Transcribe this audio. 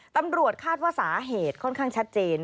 ตำรวจคาดว่าสาเหตุค่อนข้างชัดเจน